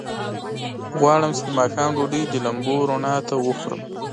غواړم چې د ماښام ډوډۍ د لمبو رڼا ته وخورم.